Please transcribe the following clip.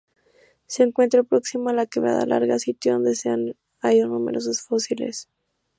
Se encuentra próxima a la quebrada Larga, sitio donde se han hallado numerosos fósiles.